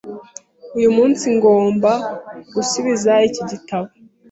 Uyu munsi ngomba gusubiza iki gitabo.